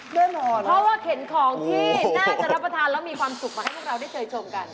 แน่นอนเพราะว่าเข็นของที่น่าจะรับประทานแล้วมีความสุขมาให้พวกเราได้เคยชมกัน